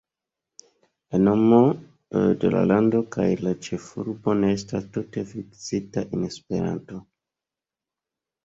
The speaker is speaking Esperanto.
La nomo de la lando kaj la ĉefurbo ne estas tute fiksita en Esperanto.